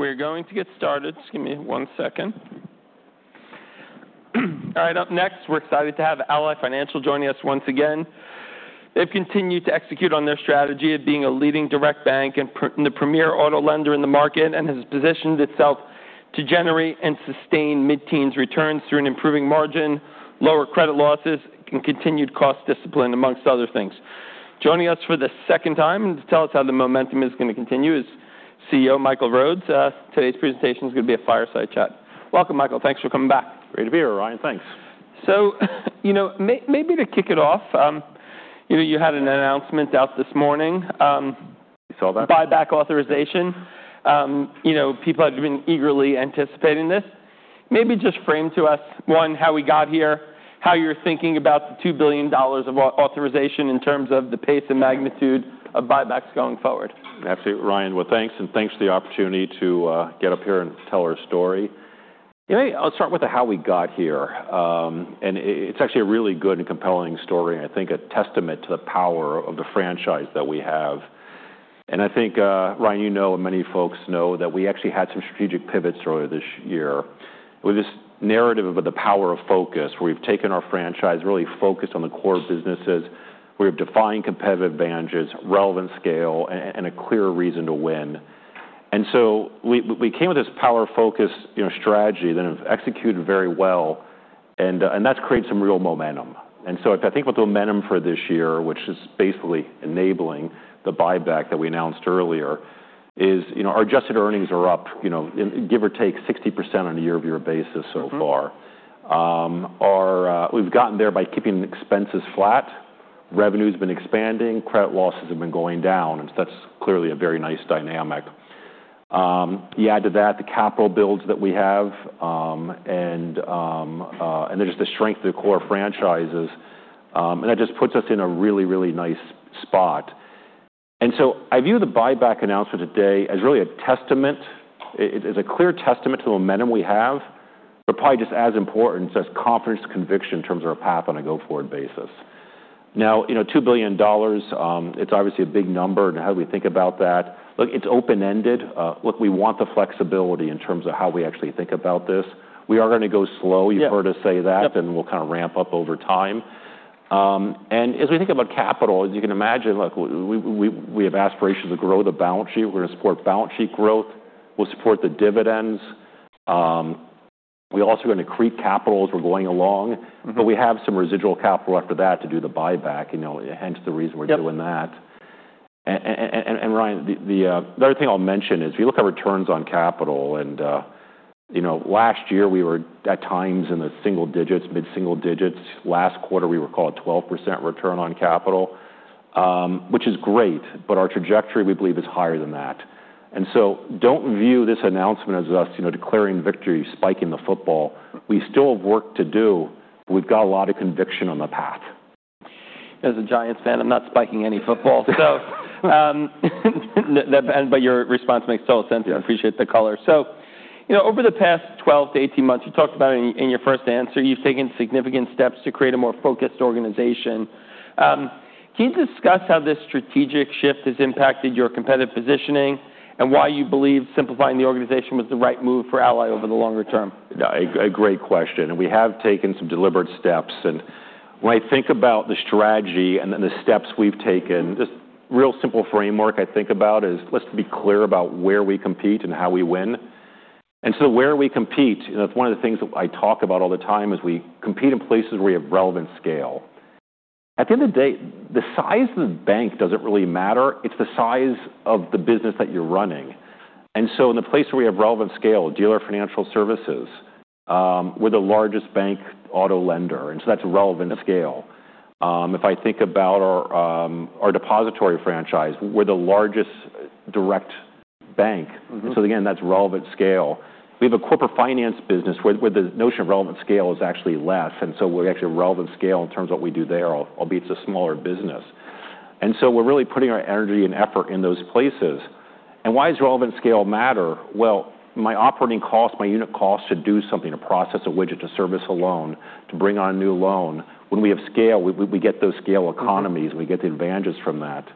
We're going to get started. Just give me one second. All right. Next, we're excited to have Ally Financial joining us once again. They've continued to execute on their strategy of being a leading direct bank and the premier auto lender in the market, and has positioned itself to generate and sustain mid-teens returns through an improving margin, lower credit losses, and continued cost discipline, amongst other things. Joining us for the second time to tell us how the momentum is going to continue is CEO Michael Rhodes. Today's presentation is going to be a fireside chat. Welcome, Michael. Thanks for coming back. Great to be here, Ryan. Thanks. So, you know, maybe to kick it off, you had an announcement out this morning. We saw that. Buyback authorization. You know, people have been eagerly anticipating this. Maybe just frame to us, one, how we got here, how you're thinking about the $2 billion of authorization in terms of the pace and magnitude of buybacks going forward. Absolutely, Ryan. Well, thanks and thanks for the opportunity to get up here and tell our story. I'll start with how we got here, and it's actually a really good and compelling story, and I think a testament to the power of the franchise that we have. I think, Ryan, you know, and many folks know that we actually had some strategic pivots earlier this year with this narrative about the power of focus, where we've taken our franchise, really focused on the core businesses, where we've defined competitive advantages, relevant scale, and a clear reason to win, and so we came with this power of focus strategy that have executed very well, and that's created some real momentum. And so I think what the momentum for this year, which is basically enabling the buyback that we announced earlier, is our adjusted earnings are up, give or take, 60% on a year-over-year basis so far. We've gotten there by keeping expenses flat. Revenue has been expanding. Credit losses have been going down. And so that's clearly a very nice dynamic. You add to that the capital builds that we have, and there's just a strength of the core franchises. And that just puts us in a really, really nice spot. And so I view the buyback announcement today as really a testament, as a clear testament to the momentum we have, but probably just as important as confidence and conviction in terms of our path on a go-forward basis. Now, $2 billion, it's obviously a big number. And how do we think about that? Look, it's open-ended. Look, we want the flexibility in terms of how we actually think about this. We are going to go slow. You've heard us say that, and we'll kind of ramp up over time. And as we think about capital, as you can imagine, we have aspirations to grow the balance sheet. We're going to support balance sheet growth. We'll support the dividends. We're also going to create capital as we're going along. But we have some residual capital after that to do the buyback. Hence the reason we're doing that. And, Ryan, the other thing I'll mention is if you look at returns on capital, and last year we were at times in the single digits, mid-single digits. Last quarter, we were called a 12% return on capital, which is great. But our trajectory, we believe, is higher than that. And so don't view this announcement as us declaring victory, spiking the football. We still have work to do. But we've got a lot of conviction on the path. As a Giants fan, I'm not spiking any football. But your response makes total sense. I appreciate the color. So over the past 12-18 months, you talked about in your first answer, you've taken significant steps to create a more focused organization. Can you discuss how this strategic shift has impacted your competitive positioning and why you believe simplifying the organization was the right move for Ally over the longer term? A great question, and we have taken some deliberate steps, and when I think about the strategy and the steps we've taken, this real simple framework I think about is let's be clear about where we compete and how we win, and so where we compete, one of the things that I talk about all the time is we compete in places where we have relevant scale. At the end of the day, the size of the bank doesn't really matter. It's the size of the business that you're running, and so in the place where we have relevant scale, Dealer Financial Services, we're the largest bank auto lender, and so that's relevant scale. If I think about our depository franchise, we're the largest direct bank, and so again, that's relevant scale. We have a Corporate Finance business where the notion of relevant scale is actually less. And so we're actually at relevant scale in terms of what we do there, albeit it's a smaller business. And so we're really putting our energy and effort in those places. And why does relevant scale matter? Well, my operating cost, my unit cost to do something, to process a widget, to service a loan, to bring on a new loan, when we have scale, we get those scale economies. We get the advantages from that.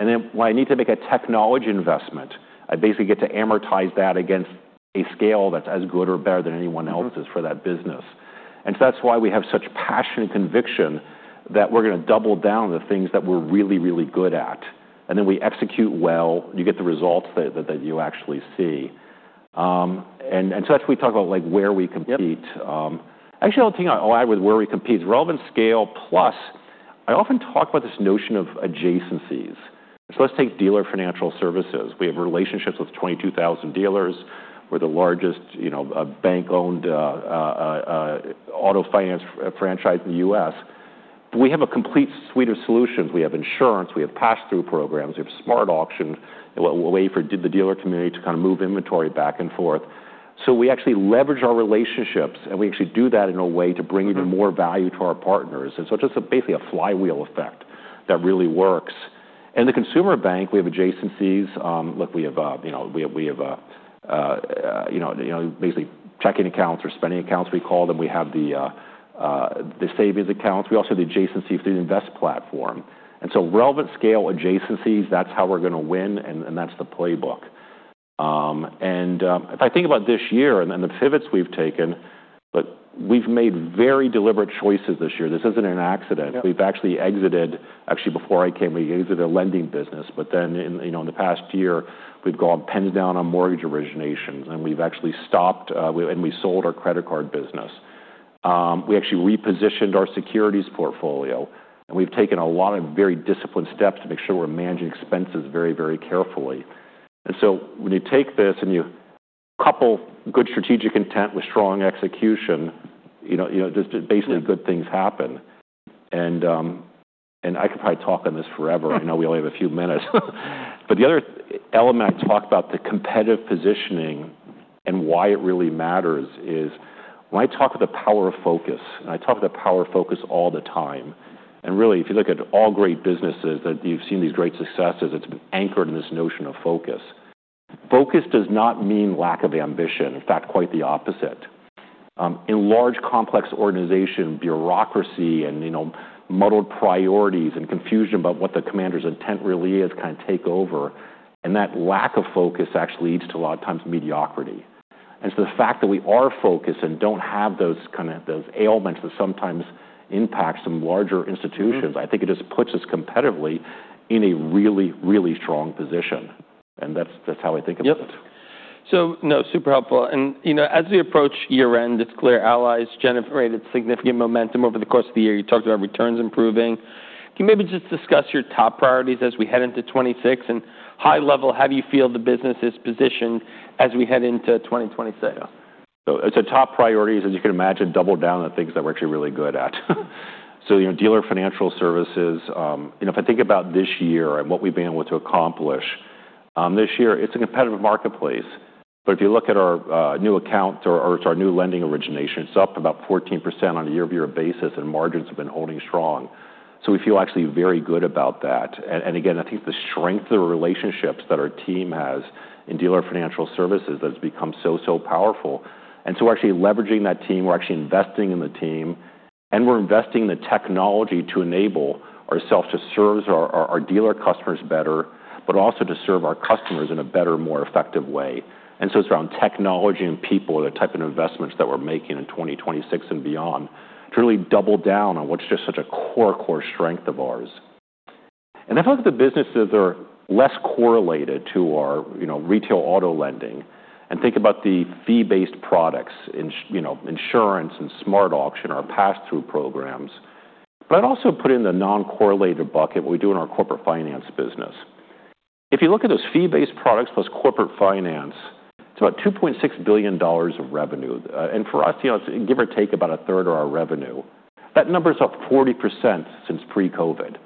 And then when I need to make a technology investment, I basically get to amortize that against a scale that's as good or better than anyone else's for that business. And so that's why we have such passion and conviction that we're going to double down on the things that we're really, really good at. And then we execute well. You get the results that you actually see. And so that's what we talk about, where we compete. Actually, the only thing I'll add with where we compete is relevant scale plus, I often talk about this notion of adjacencies. So let's take Dealer Financial Services. We have relationships with 22,000 dealers. We're the largest bank-owned auto finance franchise in the U.S. We have a complete suite of solutions. We have insurance. We have pass-through programs. We have SmartAuction. We'll wait for the dealer community to kind of move inventory back and forth. So we actually leverage our relationships. And we actually do that in a way to bring even more value to our partners. And so it's just basically a flywheel effect that really works. And the consumer bank, we have adjacencies. Look, we have basically checking accounts or spending accounts, we call them. We have the savings accounts. We also have the adjacency through the Invest platform, and so relevant scale adjacencies, that's how we're going to win, and that's the playbook, and if I think about this year and the pivots we've taken, look, we've made very deliberate choices this year. This isn't an accident. We've actually exited, actually before I came, we exited a lending business, but then in the past year, we've gone pencils down on mortgage originations, and we've actually stopped, and we sold our credit card business. We actually repositioned our securities portfolio, and we've taken a lot of very disciplined steps to make sure we're managing expenses very, very carefully, and so when you take this and you couple good strategic intent with strong execution, basically good things happen, and I could probably talk on this forever. I know we only have a few minutes. But the other element I talk about, the competitive positioning and why it really matters, is when I talk about the power of focus, and I talk about the power of focus all the time. And really, if you look at all great businesses that you've seen these great successes, it's been anchored in this notion of focus. Focus does not mean lack of ambition. In fact, quite the opposite. In large complex organizations, bureaucracy and muddled priorities and confusion about what the commander's intent really is kind of take over. And that lack of focus actually leads to a lot of times mediocrity. And so the fact that we are focused and don't have those kind of ailments that sometimes impact some larger institutions, I think it just puts us competitively in a really, really strong position. And that's how I think about it. So no, super helpful. And as we approach year-end, it's clear Ally's generated significant momentum over the course of the year. You talked about returns improving. Can you maybe just discuss your top priorities as we head into 2026? And high level, how do you feel the business is positioned as we head into 2026? So, top priorities, as you can imagine, double down on the things that we're actually really good at. So, Dealer Financial Services, if I think about this year and what we've been able to accomplish, this year, it's a competitive marketplace. But if you look at our new account or our new lending origination, it's up about 14% on a year-over-year basis. And margins have been holding strong. So we feel actually very good about that. And again, I think the strength of the relationships that our team has in Dealer Financial Services has become so, so powerful. And so we're actually leveraging that team. We're actually investing in the team. And we're investing in the technology to enable ourselves to serve our dealer customers better, but also to serve our customers in a better, more effective way. It's around technology and people, the type of investments that we're making in 2026 and beyond, to really double down on what's just such a core, core strength of ours. I feel like the businesses are less correlated to our retail auto lending. Think about the fee-based products, insurance and SmartAuction, our pass-through programs. I'd also put in the non-correlated bucket, what we do in our Corporate Finance business. If you look at those fee-based products plus Corporate Finance, it's about $2.6 billion of revenue. For us, it's give or take about a third of our revenue. That number's up 40% since pre-COVID.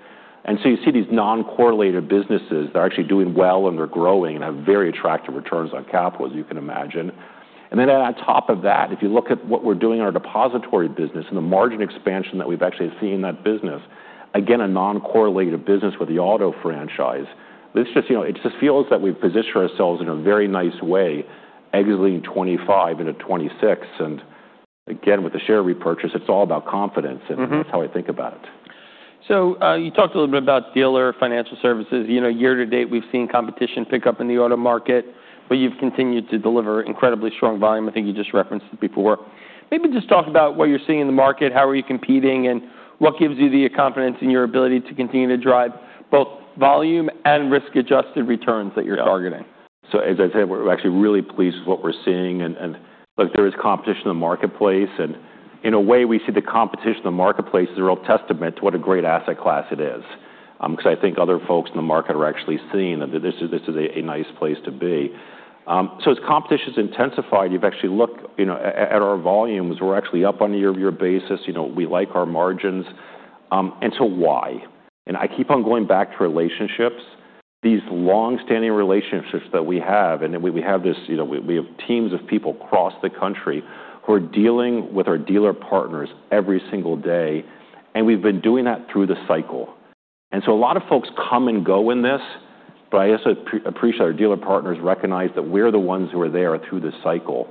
You see these non-correlated businesses that are actually doing well and they're growing and have very attractive returns on capital, as you can imagine. And then, on top of that, if you look at what we're doing in our depository business and the margin expansion that we've actually seen in that business, again, a non-correlated business with the auto franchise, it just feels that we've positioned ourselves in a very nice way, exiting 2025 into 2026. And again, with the share repurchase, it's all about confidence. And that's how I think about it. So you talked a little bit about Dealer Financial Services. Year to date, we've seen competition pick up in the auto market. But you've continued to deliver incredibly strong volume. I think you just referenced it before. Maybe just talk about what you're seeing in the market. How are you competing? And what gives you the confidence in your ability to continue to drive both volume and risk-adjusted returns that you're targeting? So as I said, we're actually really pleased with what we're seeing, and look, there is competition in the marketplace, and in a way, we see the competition in the marketplace as a real testament to what a great asset class it is, because I think other folks in the market are actually seeing that this is a nice place to be, so as competition's intensified, you've actually looked at our volumes. We're actually up on a year-over-year basis. We like our margins, and so why? and I keep on going back to relationships, these long-standing relationships that we have, and we have this, we have teams of people across the country who are dealing with our dealer partners every single day, and we've been doing that through the cycle, and so a lot of folks come and go in this. But I also appreciate our dealer partners recognize that we're the ones who are there through the cycle.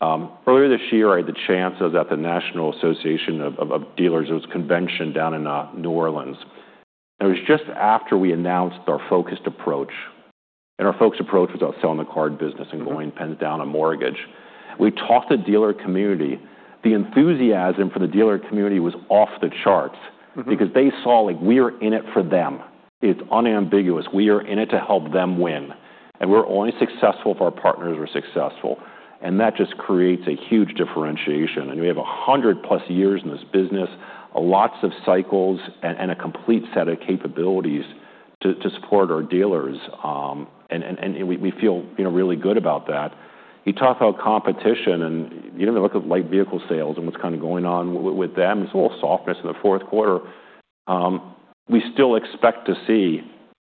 Earlier this year, I had the chance to chat at the National Automobile Dealers Association convention down in New Orleans, and it was just after we announced our focused approach, and our focused approach was about selling the card business and going pencils down on mortgage. We talked to the dealer community. The enthusiasm for the dealer community was off the charts because they saw we are in it for them. It's unambiguous. We are in it to help them win, and we're only successful if our partners are successful, and that just creates a huge differentiation, and we have 100+ years in this business, lots of cycles, and a complete set of capabilities to support our dealers, and we feel really good about that. You talk about competition. You don't even look at light vehicle sales and what's kind of going on with them. It's a little softness in the fourth quarter. We still expect to see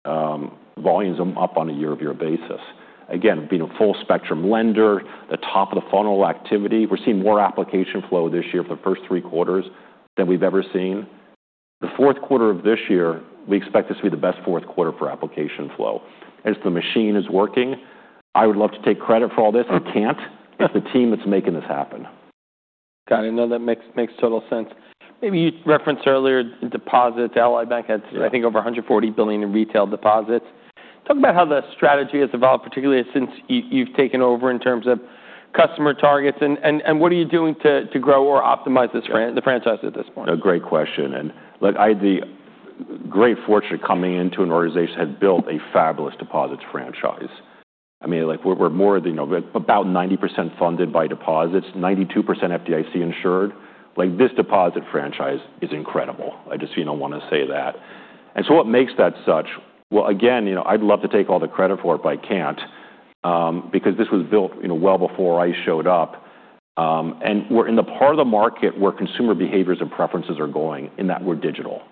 volumes up on a year-over-year basis. Again, being a full-spectrum lender, the top of the funnel activity, we're seeing more application flow this year for the first three quarters than we've ever seen. The fourth quarter of this year, we expect this to be the best fourth quarter for application flow. As the machine is working, I would love to take credit for all this. I can't. It's the team that's making this happen. Got it. No, that makes total sense. Maybe you referenced earlier deposits. Ally Bank has, I think, over $140 billion in retail deposits. Talk about how the strategy has evolved, particularly since you've taken over in terms of customer targets, and what are you doing to grow or optimize the franchise at this point? A great question. And look, I had the great fortune of coming into an organization that had built a fabulous deposits franchise. I mean, we're more than about 90% funded by deposits, 92% FDIC insured. This deposit franchise is incredible. I just want to say that. And so what makes that such? Well, again, I'd love to take all the credit for it, but I can't because this was built well before I showed up. And we're in the part of the market where consumer behaviors and preferences are going in that we're digital.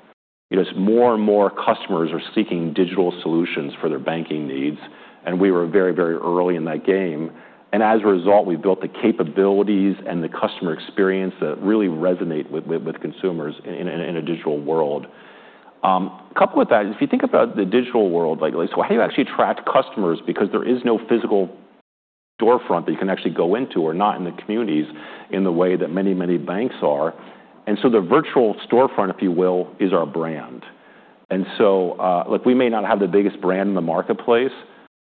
It's more and more customers are seeking digital solutions for their banking needs. And we were very, very early in that game. And as a result, we built the capabilities and the customer experience that really resonate with consumers in a digital world. Coupled with that, if you think about the digital world, so how do you actually attract customers? Because there is no physical storefront that you can actually go into or not in the communities in the way that many, many banks are. And so the virtual storefront, if you will, is our brand. And so look, we may not have the biggest brand in the marketplace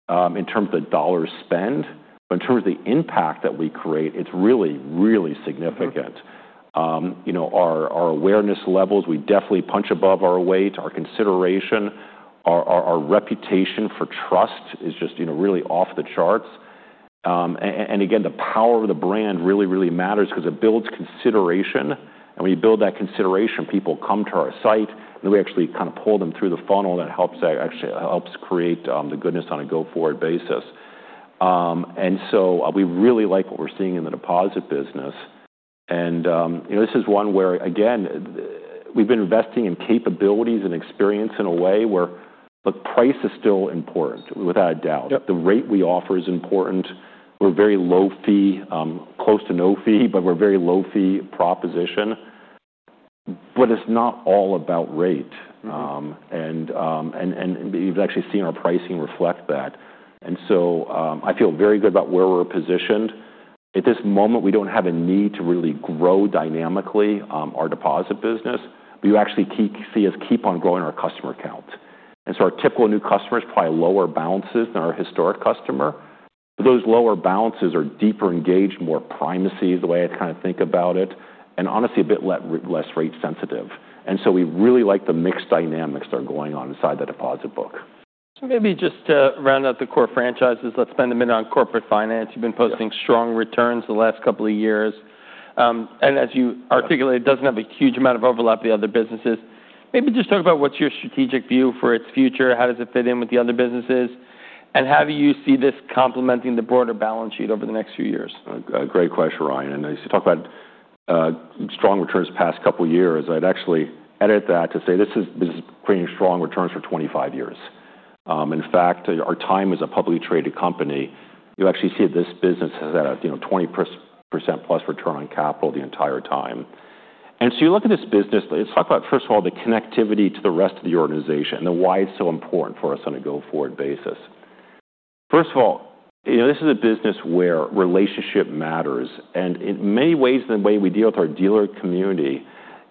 in terms of the dollar spend. But in terms of the impact that we create, it's really, really significant. Our awareness levels, we definitely punch above our weight. Our consideration, our reputation for trust is just really off the charts. And again, the power of the brand really, really matters because it builds consideration. And when you build that consideration, people come to our site. And we actually kind of pull them through the funnel. And it actually helps create the goodness on a go-forward basis. And so we really like what we're seeing in the deposit business. And this is one where, again, we've been investing in capabilities and experience in a way where, look, price is still important, without a doubt. The rate we offer is important. We're very low-fee, close to no-fee, but we're a very low-fee proposition. But it's not all about rate. And you've actually seen our pricing reflect that. And so I feel very good about where we're positioned. At this moment, we don't have a need to really grow dynamically our deposit business. But you actually see us keep on growing our customer count. And so our typical new customers probably lower balances than our historic customer. But those lower balances are deeper engaged, more primacy, the way I kind of think about it, and honestly a bit less rate sensitive. And so we really like the mix dynamics that are going on inside the deposit book. So maybe just to round out the core franchises, let's spend a minute on Corporate Finance. You've been posting strong returns the last couple of years. And as you articulated, it doesn't have a huge amount of overlap with the other businesses. Maybe just talk about what's your strategic view for its future? How does it fit in with the other businesses? And how do you see this complementing the broader balance sheet over the next few years? Great question, Ryan. And as you talk about strong returns the past couple of years, I'd actually edit that to say this is creating strong returns for 25 years. In fact, our time as a publicly traded company, you actually see this business has had a 20%+ return on capital the entire time. And so you look at this business, let's talk about, first of all, the connectivity to the rest of the organization and why it's so important for us on a go-forward basis. First of all, this is a business where relationship matters. And in many ways, the way we deal with our dealer community,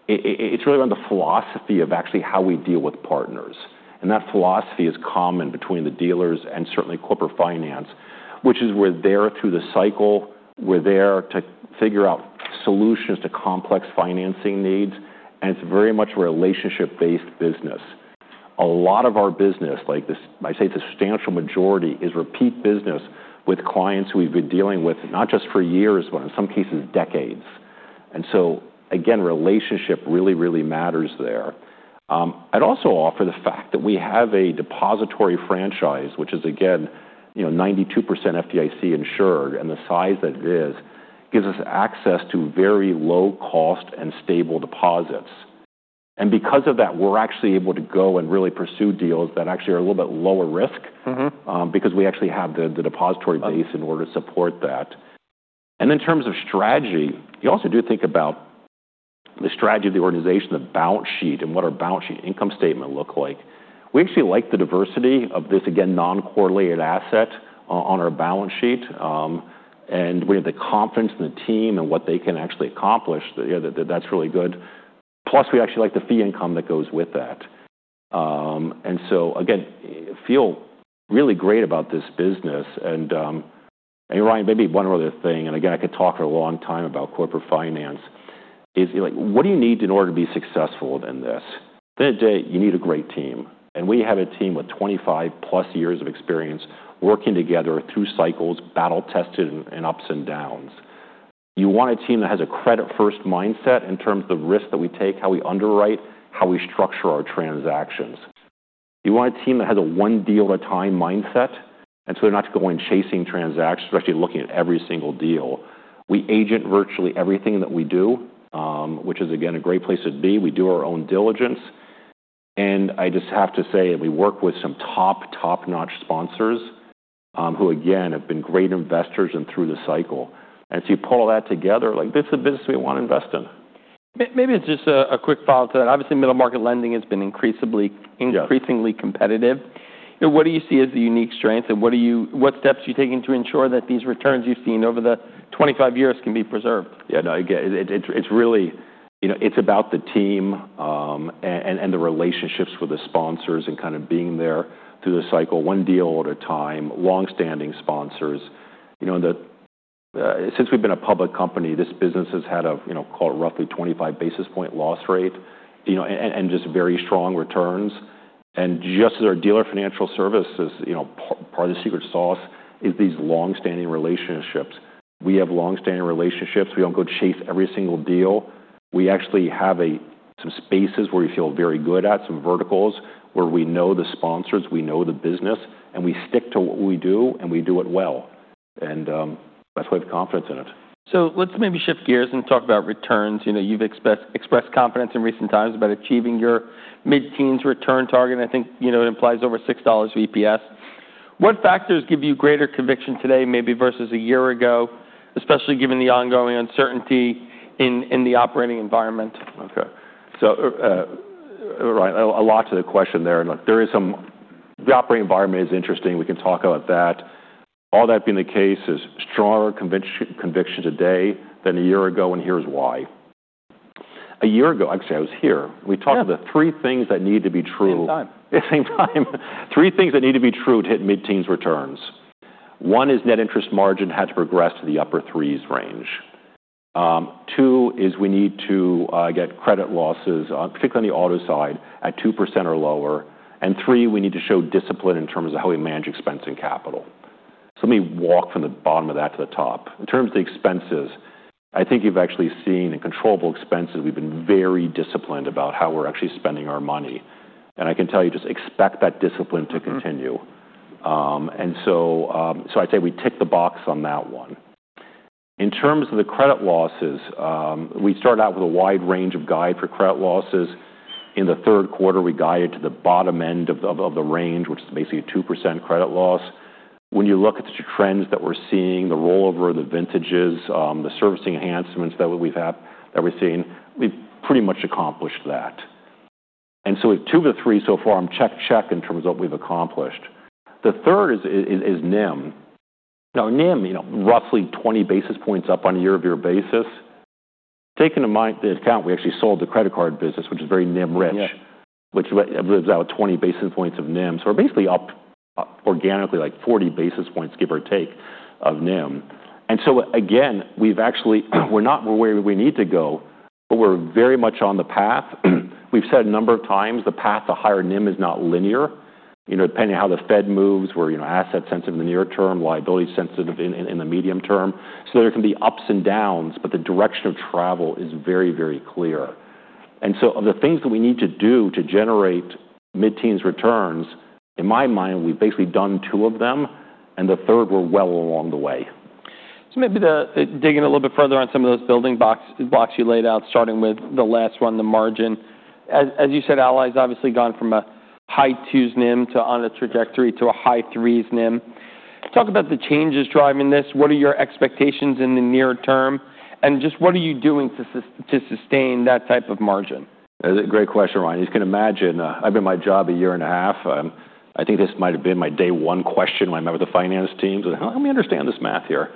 it's really around the philosophy of actually how we deal with partners. And that philosophy is common between the dealers and certainly Corporate Finance, which is we're there through the cycle. We're there to figure out solutions to complex financing needs. And it's very much a relationship-based business. A lot of our business, like I say, a substantial majority is repeat business with clients who we've been dealing with not just for years, but in some cases, decades. And so again, relationship really, really matters there. I'd also offer the fact that we have a depository franchise, which is, again, 92% FDIC insured. And the size that it is gives us access to very low-cost and stable deposits. And because of that, we're actually able to go and really pursue deals that actually are a little bit lower risk because we actually have the depository base in order to support that. And in terms of strategy, you also do think about the strategy of the organization, the balance sheet, and what our balance sheet income statement looks like. We actually like the diversity of this, again, non-correlated asset on our balance sheet. And we have the confidence in the team and what they can actually accomplish. That's really good. Plus, we actually like the fee income that goes with that. And so again, I feel really great about this business. And Ryan, maybe one other thing. And again, I could talk for a long time about Corporate Finance. What do you need in order to be successful in this? At the end of the day, you need a great team. And we have a team with 25-plus years of experience working together through cycles, battle-tested, and ups and downs. You want a team that has a credit-first mindset in terms of the risk that we take, how we underwrite, how we structure our transactions. You want a team that has a one-deal-at-a-time mindset. And so they're not going chasing transactions, actually looking at every single deal. We agent virtually everything that we do, which is, again, a great place to be. We do our own diligence. And I just have to say, we work with some top, top-notch sponsors who, again, have been great investors and through the cycle. And so you pull all that together, this is the business we want to invest in. Maybe just a quick follow-up to that. Obviously, middle-market lending has been increasingly competitive. What do you see as the unique strength, and what steps are you taking to ensure that these returns you've seen over the 25 years can be preserved? Yeah. No, again, it's really about the team and the relationships with the sponsors and kind of being there through the cycle, one deal at a time, long-standing sponsors. Since we've been a public company, this business has had, call it, roughly 25 basis point loss rate and just very strong returns, and just as our Dealer Financial Services is part of the secret sauce, it's these long-standing relationships. We have long-standing relationships. We don't go chase every single deal. We actually have some spaces where we feel very good at, some verticals where we know the sponsors, we know the business, and we stick to what we do, and we do it well, and that's why we have confidence in it. So let's maybe shift gears and talk about returns. You've expressed confidence in recent times about achieving your mid-teens return target. I think it implies over $6 EPS. What factors give you greater conviction today, maybe versus a year ago, especially given the ongoing uncertainty in the operating environment? Okay, so a lot to the question there. The operating environment is interesting. We can talk about that. All that being the case, there's stronger conviction today than a year ago, and here's why. A year ago, actually, I was here. We talked about the three things that need to be true. At the same time. At the same time, three things that need to be true to hit mid-teens returns. One is net interest margin had to progress to the upper threes range. Two is we need to get credit losses, particularly on the auto side, at 2% or lower, and three, we need to show discipline in terms of how we manage expense and capital, so let me walk from the bottom of that to the top. In terms of the expenses, I think you've actually seen, in controllable expenses, we've been very disciplined about how we're actually spending our money, and I can tell you, just expect that discipline to continue, and so I'd say we tick the box on that one. In terms of the credit losses, we started out with a wide range of guide for credit losses. In the third quarter, we guided to the bottom end of the range, which is basically a 2% credit loss. When you look at the trends that we're seeing, the rollover of the vintages, the servicing enhancements that we've seen, we've pretty much accomplished that, and so two of the three so far I'm check, check in terms of what we've accomplished. The third is NIM. Now, NIM, roughly 20 basis points up on a year-over-year basis. Taking into account we actually sold the credit card business, which is very NIM-rich, which lives out with 20 basis points of NIM, so we're basically up organically like 40 basis points, give or take, of NIM, and so again, we're not where we need to go, but we're very much on the path. We've said a number of times the path to higher NIM is not linear. Depending on how the Fed moves, we're asset-sensitive in the near term, liability-sensitive in the medium term. So there can be ups and downs, but the direction of travel is very, very clear. And so of the things that we need to do to generate mid-teens returns, in my mind, we've basically done two of them. And the third, we're well along the way. So maybe digging a little bit further on some of those building blocks you laid out, starting with the last one, the margin. As you said, Ally's obviously gone from a high twos NIM to on a trajectory to a high threes NIM. Talk about the changes driving this. What are your expectations in the near term? And just what are you doing to sustain that type of margin? That's a great question, Ryan. You can imagine, I've been at my job a year and a half. I think this might have been my day one question when I met with the finance team. I said, "How do we understand this math here?"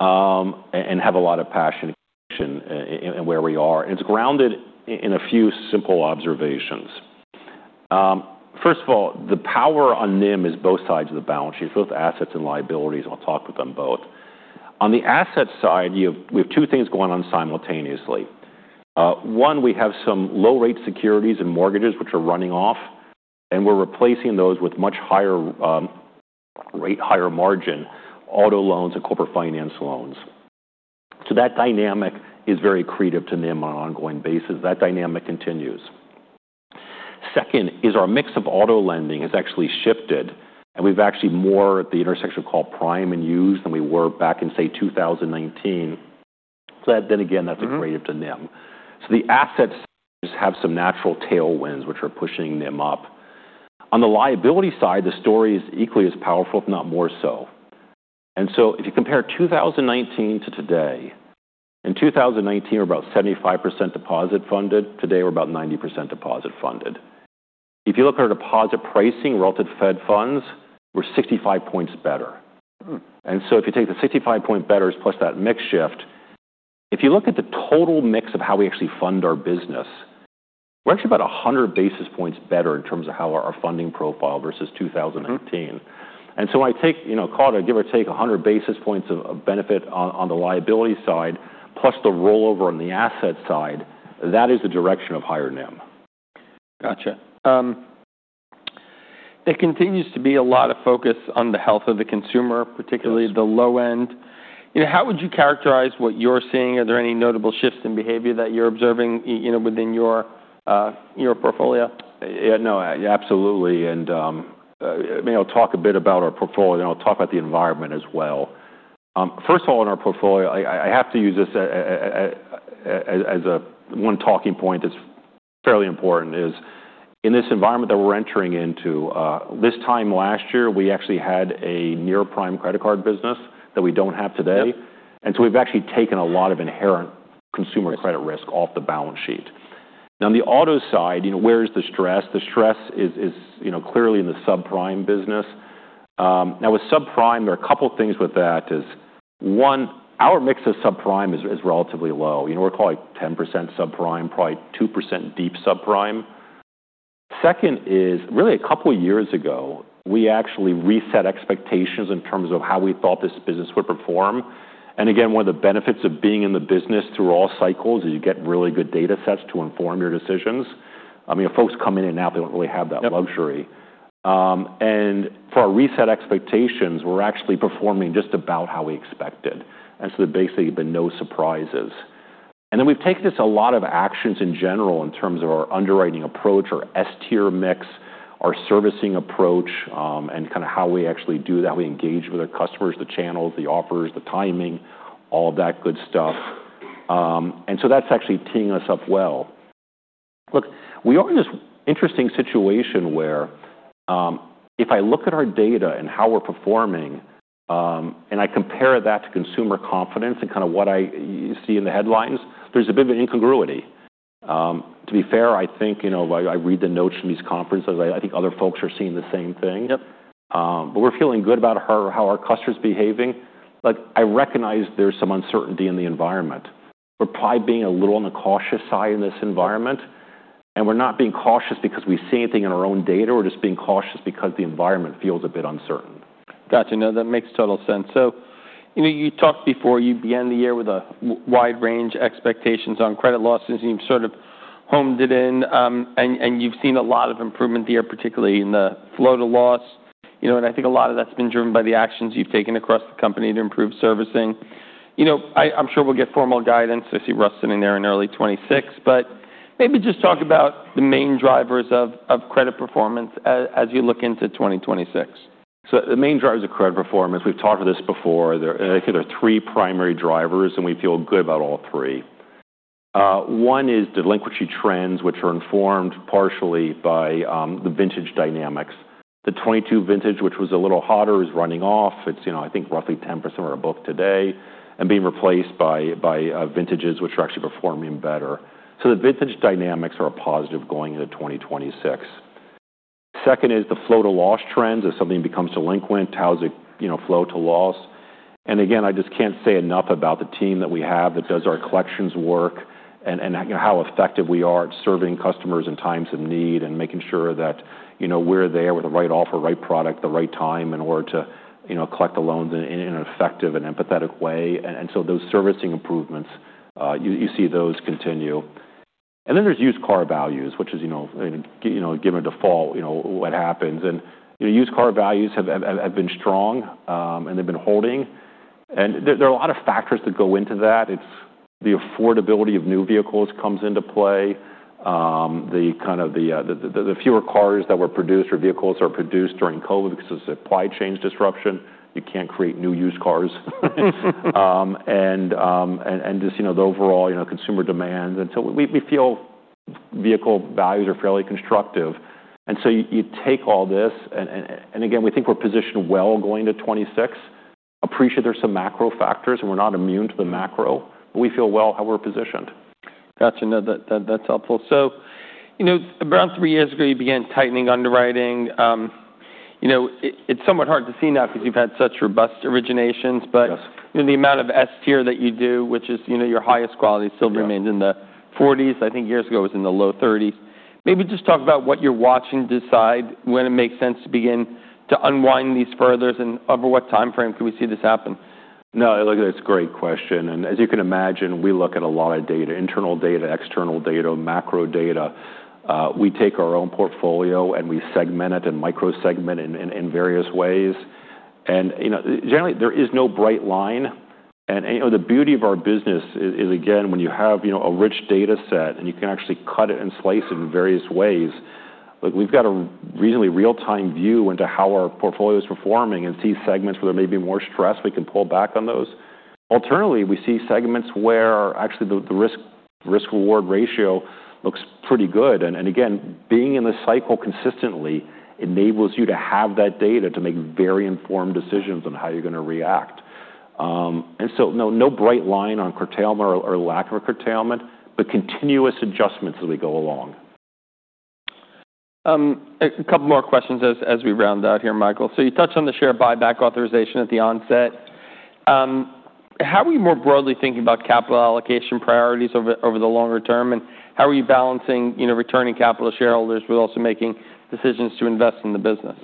and have a lot of passion and conviction in where we are, and it's grounded in a few simple observations. First of all, the power on NIM is both sides of the balance sheet, both assets and liabilities. I'll talk with them both. On the asset side, we have two things going on simultaneously. One, we have some low-rate securities and mortgages which are running off, and we're replacing those with much higher rate, higher margin, auto loans and Corporate Finance loans. So that dynamic is very accretive to NIM on an ongoing basis. That dynamic continues. Second is our mix of auto lending has actually shifted, and we've actually more at the intersection called prime and used than we were back in, say, 2019, so then again, that's a credit to NIM, so the assets just have some natural tailwinds which are pushing NIM up. On the liability side, the story is equally as powerful, if not more so, and so if you compare 2019 to today, in 2019, we were about 75% deposit funded. Today, we're about 90% deposit funded. If you look at our deposit pricing relative to Fed funds, we're 65 points better, and so if you take the 65-point better plus that mix shift, if you look at the total mix of how we actually fund our business, we're actually about 100 basis points better in terms of how our funding profile versus 2019. And so I take, call it, give or take 100 basis points of benefit on the liability side plus the rollover on the asset side. That is the direction of higher NIM. Gotcha. It continues to be a lot of focus on the health of the consumer, particularly the low end. How would you characterize what you're seeing? Are there any notable shifts in behavior that you're observing within your portfolio? Yeah. No, absolutely. And I'll talk a bit about our portfolio. And I'll talk about the environment as well. First of all, in our portfolio, I have to use this as one talking point that's fairly important, is in this environment that we're entering into, this time last year, we actually had a near prime credit card business that we don't have today. And so we've actually taken a lot of inherent consumer credit risk off the balance sheet. Now, on the auto side, where is the stress? The stress is clearly in the subprime business. Now, with subprime, there are a couple of things with that. One, our mix of subprime is relatively low. We're calling it 10% subprime, probably 2% deep subprime. Second is, really a couple of years ago, we actually reset expectations in terms of how we thought this business would perform. And again, one of the benefits of being in the business through all cycles is you get really good data sets to inform your decisions. Folks coming in now, they don't really have that luxury. And for our reset expectations, we're actually performing just about how we expected. And so there basically have been no surprises. And then we've taken this a lot of actions in general in terms of our underwriting approach, our S-tier mix, our servicing approach, and kind of how we actually do that. We engage with our customers, the channels, the offers, the timing, all of that good stuff. And so that's actually teeing us up well. Look, we are in this interesting situation where if I look at our data and how we're performing and I compare that to consumer confidence and kind of what I see in the headlines, there's a bit of an incongruity. To be fair, I think I read the notes from these conferences. I think other folks are seeing the same thing. But we're feeling good about how our customers are behaving. I recognize there's some uncertainty in the environment. We're probably being a little on the cautious side in this environment. And we're not being cautious because we see anything in our own data. We're just being cautious because the environment feels a bit uncertain. Gotcha. No, that makes total sense. So you talked before you began the year with a wide range of expectations on credit losses. And you've sort of honed it in. And you've seen a lot of improvement here, particularly in the flow to loss. And I think a lot of that's been driven by the actions you've taken across the company to improve servicing. I'm sure we'll get formal guidance. I see Russ sitting there in early 2026. But maybe just talk about the main drivers of credit performance as you look into 2026. So the main drivers of credit performance, we've talked about this before. I think there are three primary drivers. And we feel good about all three. One is delinquency trends, which are informed partially by the vintage dynamics. The 2022 vintage, which was a little hotter, is running off. It's, I think, roughly 10% or above today and being replaced by vintages which are actually performing better. So the vintage dynamics are a positive going into 2026. Second is the flow to loss trends. If something becomes delinquent, how's it flow to loss? And again, I just can't say enough about the team that we have that does our collections work and how effective we are at serving customers in times of need and making sure that we're there with the right offer, right product, the right time in order to collect the loans in an effective and empathetic way. And so those servicing improvements, you see those continue. And then there's used car values, which is given a default, what happens. And used car values have been strong. And they've been holding. And there are a lot of factors that go into that. It's the affordability of new vehicles that comes into play. The fewer cars that were produced or vehicles that were produced during COVID because of supply chain disruption, you can't create new used cars. And just the overall consumer demand. And so we feel vehicle values are fairly constructive. And so you take all this. And again, we think we're positioned well going into 2026. Appreciate there's some macro factors. And we're not immune to the macro. But we feel, well, how we're positioned. Gotcha. No, that's helpful. So about three years ago, you began tightening underwriting. It's somewhat hard to see now because you've had such robust originations. But the amount of S-tier that you do, which is your highest quality, still remains in the 40s. I think years ago, it was in the low 30s. Maybe just talk about what you're watching decide when it makes sense to begin to unwind these furthers. And over what time frame can we see this happen? No, look, that's a great question. And as you can imagine, we look at a lot of data: internal data, external data, macro data. We take our own portfolio and we segment it and micro-segment it in various ways. And generally, there is no bright line. And the beauty of our business is, again, when you have a rich data set and you can actually cut it and slice it in various ways. We've got a reasonably real-time view into how our portfolio is performing and see segments where there may be more stress. We can pull back on those. Alternatively, we see segments where actually the risk-reward ratio looks pretty good. And again, being in the cycle consistently enables you to have that data to make very informed decisions on how you're going to react. And so no bright line on curtailment or lack of curtailment, but continuous adjustments as we go along. A couple more questions as we round out here, Michael. So you touched on the share buyback authorization at the onset. How are we more broadly thinking about capital allocation priorities over the longer term? And how are you balancing returning capital to shareholders while also making decisions to invest in the business?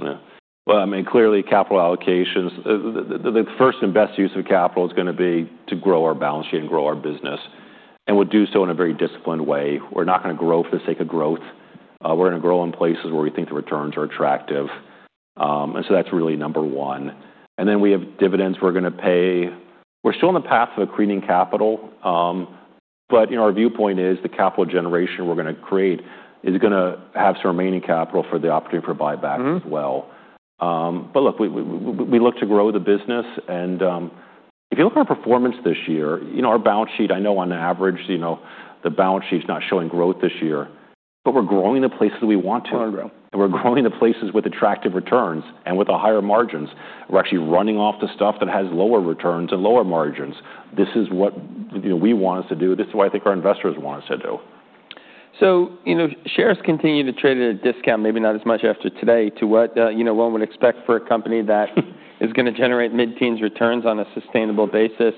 Well, I mean, clearly, capital allocations, the first and best use of capital is going to be to grow our balance sheet and grow our business, and we'll do so in a very disciplined way. We're not going to grow for the sake of growth. We're going to grow in places where we think the returns are attractive, and so that's really number one, and then we have dividends we're going to pay. We're still on the path of accreting capital, but our viewpoint is the capital generation we're going to create is going to have some remaining capital for the opportunity for buyback as well, but look, we look to grow the business, and if you look at our performance this year, our balance sheet, I know on average, the balance sheet is not showing growth this year, but we're growing the places we want to. and we're growing the places with attractive returns and with higher margins. We're actually running off the stuff that has lower returns and lower margins. This is what we want us to do. This is what I think our investors want us to do. So shares continue to trade at a discount, maybe not as much after today, to what we'd expect for a company that is going to generate mid-teens returns on a sustainable basis.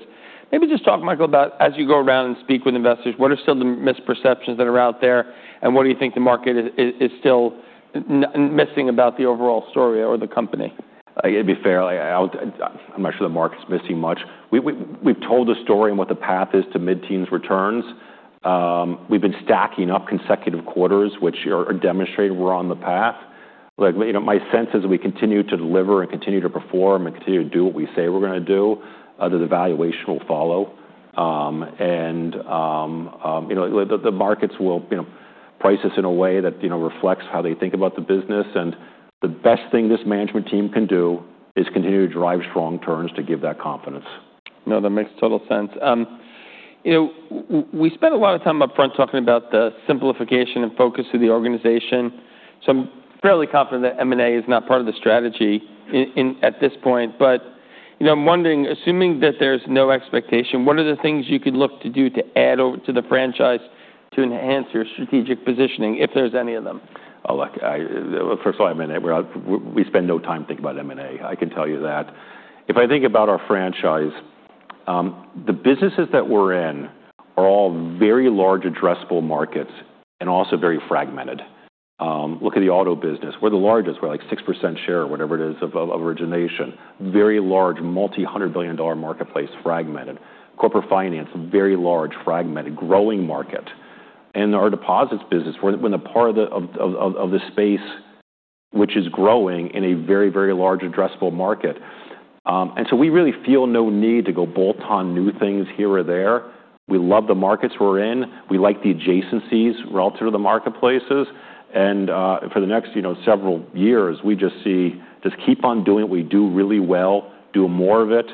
Maybe just talk, Michael, about as you go around and speak with investors, what are some of the misperceptions that are out there? And what do you think the market is still missing about the overall story or the company? To be fair, I'm not sure the market's missing much. We've told the story and what the path is to mid-teens returns. We've been stacking up consecutive quarters, which are demonstrating we're on the path. My sense is we continue to deliver and continue to perform and continue to do what we say we're going to do. There's a valuation we'll follow, and the markets will price us in a way that reflects how they think about the business, and the best thing this management team can do is continue to drive strong returns to give that confidence. No, that makes total sense. We spent a lot of time upfront talking about the simplification and focus of the organization. So I'm fairly confident that M&A is not part of the strategy at this point. But I'm wondering, assuming that there's no expectation, what are the things you could look to do to add to the franchise to enhance your strategic positioning, if there's any of them? Oh, look, first of all, M&A. We spend no time thinking about M&A. I can tell you that. If I think about our franchise, the businesses that we're in are all very large addressable markets and also very fragmented. Look at the auto business. We're the largest. We're like 6% share or whatever it is of origination. Very large, multi-hundred-billion-dollar marketplace, fragmented. Corporate Finance, very large, fragmented, growing market. And our deposits business, we're in the part of the space which is growing in a very, very large addressable market. And so we really feel no need to go bolt-on new things here or there. We love the markets we're in. We like the adjacencies relative to the marketplaces. And for the next several years, we just see just keep on doing what we do really well, do more of it.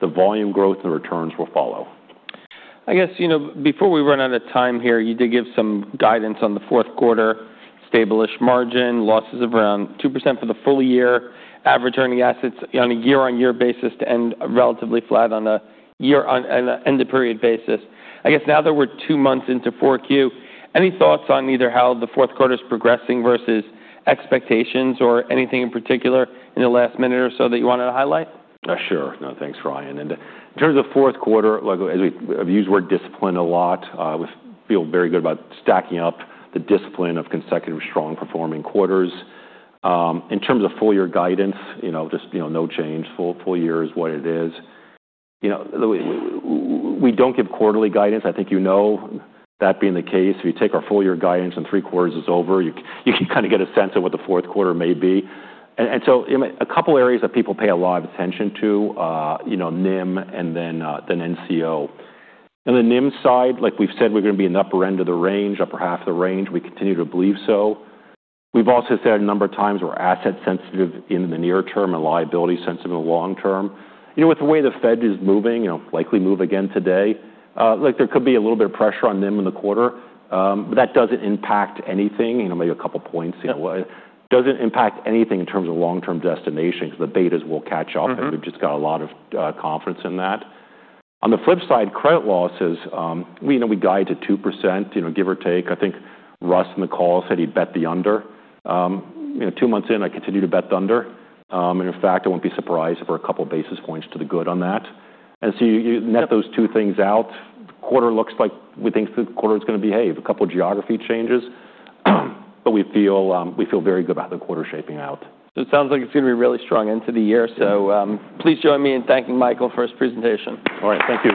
The volume growth and the returns will follow. I guess before we run out of time here, you did give some guidance on the fourth quarter, stable margin, losses of around 2% for the full year, average earning assets on a year-on-year basis to end relatively flat on a year-end-of-period basis. I guess now that we're two months into 4Q, any thoughts on either how the fourth quarter is progressing versus expectations or anything in particular in the last minute or so that you wanted to highlight? Sure. No, thanks, Ryan, and in terms of fourth quarter, I've used the word discipline a lot. We feel very good about stacking up the discipline of consecutive strong performing quarters. In terms of full-year guidance, just no change. Full year is what it is. We don't give quarterly guidance. I think you know that being the case. If you take our full-year guidance and three quarters is over, you can kind of get a sense of what the fourth quarter may be, and so a couple of areas that people pay a lot of attention to, NIM and then NCO. On the NIM side, like we've said, we're going to be in the upper end of the range, upper half of the range. We continue to believe so. We've also said a number of times we're asset-sensitive in the near term and liability-sensitive in the long term. With the way the Fed is moving, likely move again today, there could be a little bit of pressure on them in the quarter. But that doesn't impact anything, maybe a couple of points. It doesn't impact anything in terms of long-term destinations because the betas will catch up. And we've just got a lot of confidence in that. On the flip side, credit losses, we guide to 2%, give or take. I think Russ in the call said he bet the under. Two months in, I continue to bet the under. And in fact, I won't be surprised if we're a couple of basis points to the good on that. And so you net those two things out. The quarter looks like we think the quarter is going to behave. A couple of geography changes. But we feel very good about the quarter shaping out. So it sounds like it's going to be really strong into the year. So please join me in thanking Michael for his presentation. All right. Thank you.